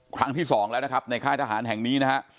ครั้งที่สองแล้วนะครับในค่ายทหารแห่งนี้นะฮะ